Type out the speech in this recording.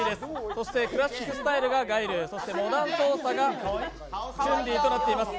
そしてクラシックスタイルがガイルモダン操作が春麗となっています。